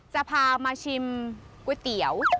จะพามาชิมก๋วยเตี๋ยว